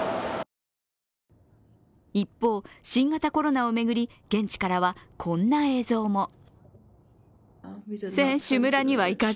一方、新型コロナを巡り、現地からはこんな映像も。